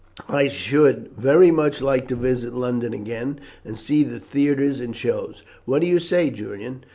"I should very much like to visit London again, and see the theatres and shows. What do you say, Julian?"